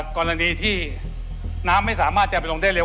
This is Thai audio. กรณีที่น้ำไม่สามารถจะไปลงได้เร็